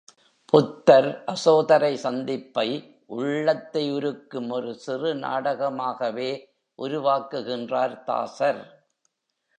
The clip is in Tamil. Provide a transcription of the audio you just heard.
புத்தர் அசோதரை சந்திப்பை உள்ளத்தை உருக்கும் ஒரு சிறு நாடகமாகவே உருவாக்குகின்றார் தாசர்.